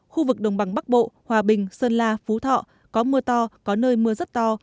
khu vực đồng bằng bắc bộ hòa bình sơn la phú thọ có mưa to có nơi mưa rất to